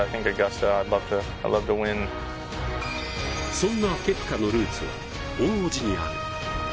そんなケプカのルーツは大叔父にある。